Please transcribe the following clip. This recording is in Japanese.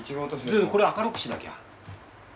これ明るくしなきゃ。